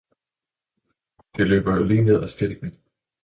Det løber jo lige ned af Stilken!